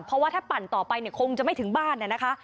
เพราะว่าถ้าปั่นต่อไปเนี่ยคงจะไม่ถึงบ้านนะคะ